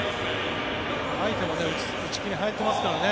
相手も打ち気に入ってますからね。